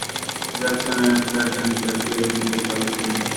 Jackson and her dancers get in Calloway's limo.